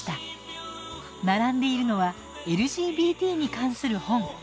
並んでいるのはＬＧＢＴに関する本。